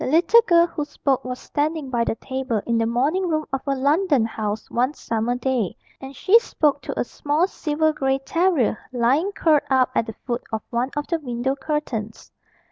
The little girl who spoke was standing by the table in the morning room of a London house one summer day, and she spoke to a small silver grey terrier lying curled up at the foot of one of the window curtains.